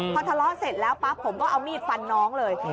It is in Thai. พอทะเลาะเสร็จแล้วปั๊บผมก็เอามีดฟันน้องเลย